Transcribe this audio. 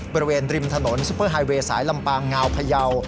บริเวณริมถนนซุปเปอร์ไฮเวย์สายลำปางงาวพยาว